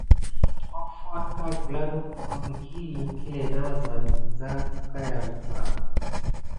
Offo akà gula nakum miki iŋklé nasane kiza wukayam anba.